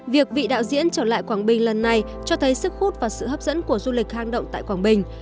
việc vị đạo diễn trở lại quảng bình lần này cho thấy sức hút và sự hấp dẫn của du lịch hang động tại quảng bình